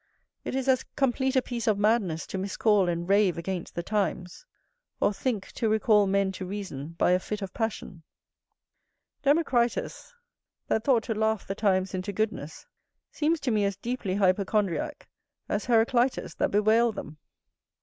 It is as complete a piece of madness to miscall and rave against the times; or think to recall men to reason by a fit of passion. Democritus, that thought to laugh the times into goodness, seems to me as deeply hypochondriack as Heraclitus, that bewailed them.